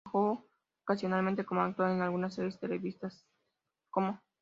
Trabajó ocasionalmente como actor en algunas series televisivas, como